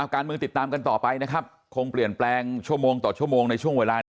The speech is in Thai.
การเมืองติดตามกันต่อไปนะครับคงเปลี่ยนแปลงชั่วโมงต่อชั่วโมงในช่วงเวลานี้